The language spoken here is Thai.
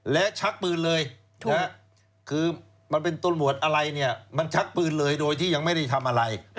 และชักปืนเลยคือมันเป็นตำรวจอะไรเนี่ยมันชักปืนเลยโดยที่ยังไม่ได้ทำอะไร